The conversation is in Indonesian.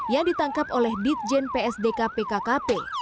yang ditangkap oleh ditjen psdkpkkp